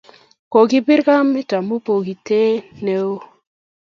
kokibir kamet amu bokitee neoo